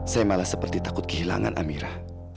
saya malah seperti takut kehilangan amirah